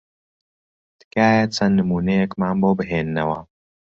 تکایە چەند نموونەیەکمان بۆ بهێننەوە.